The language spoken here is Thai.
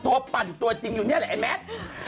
ปั่นตัวจริงอยู่นี่แหละไอ้แมท